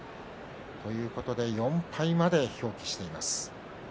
ということで、４敗まで表記しています。